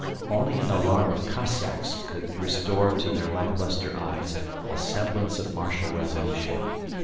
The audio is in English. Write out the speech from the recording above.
Only an alarm of Cossacks could restore to their lack lustre eyes a semblance of martial resolution.